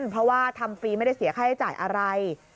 เพราะว่าทำฟรีไม่ได้เสียค่าใช้จ่ายอะไร